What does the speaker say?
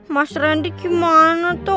mas randy gimana tuh